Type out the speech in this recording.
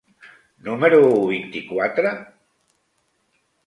número vint-i-quatre?